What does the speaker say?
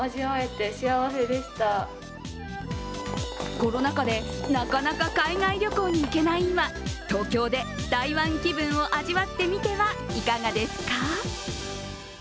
コロナ禍でなかなか海外旅行に行けない今、東京で台湾気分を味わってみてはいかがですか？